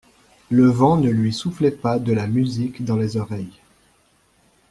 Le vent ne lui soufflait pas de la musique dans les oreilles.